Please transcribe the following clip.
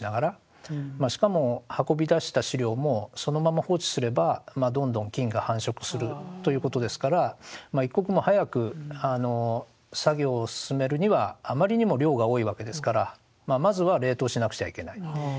しかも運び出した資料もそのまま放置すればどんどん菌が繁殖するということですから一刻も早く作業を進めるにはあまりにも量が多いわけですからまずは冷凍しなくちゃいけない。